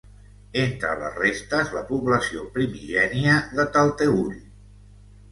Entre les restes, la població primigènia de Talteüll.